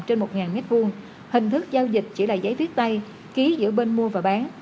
trên một mét vuông hình thức giao dịch chỉ là giấy viết tay ký giữa bên mua và bán